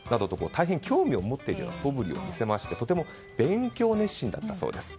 大変興味を持っているそぶりを見せましてとても勉強熱心だったそうです。